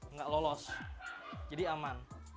nggak lolos jadi aman